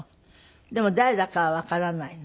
でも誰だかはわからないの。